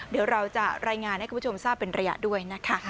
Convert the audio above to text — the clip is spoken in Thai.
เดี๋ยวเราจะรายงานให้คุณผู้ชมทราบเป็นระยะด้วยนะคะ